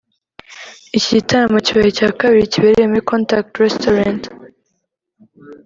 Iki gitaramo kibaye icya kabiri kibereye muri Contact Restaurant